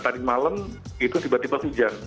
tadi malam itu tiba tiba hujan